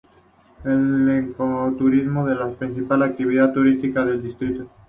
El ecoturismo es la principal actividad turística del distrito.